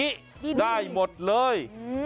กินได้หมดเลย